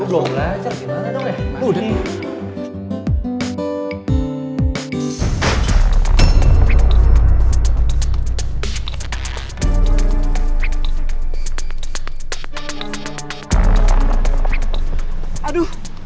gue belajar gimana dong ya